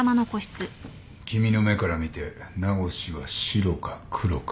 君の目から見て名越はシロかクロか？